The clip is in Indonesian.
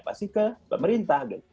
pasti ke pemerintah